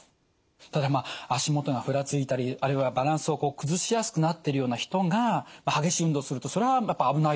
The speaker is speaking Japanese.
ただまあ足元がふらついたりあるいはバランスを崩しやすくなってるような人が激しい運動をするとそれはやっぱ危ないですよね。